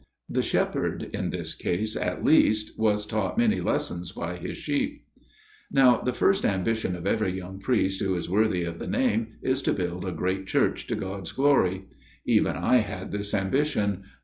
The shepherd, in this case at least, was taught many lessons by his sheep. " Now the first ambition of every young priest who is worthy of the name, is to build a great church to God's glory. Even I had this ambition.